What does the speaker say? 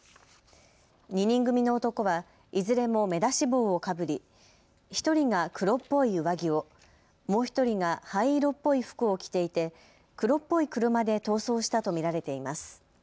２人組の男はいずれも目出し帽をかぶり１人が黒っぽい上着を、もう１人が灰色っぽい服を着ていて黒っぽい車で逃走したと見られています。